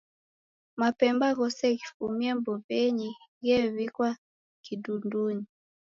Mapemba ghose ghifumie mbuwenyi ghewikwa kidundunyi